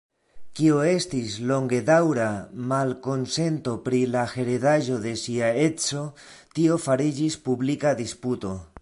Kio estis longedaŭra malkonsento pri la heredaĵo de sia edzo, tio fariĝis publika disputo.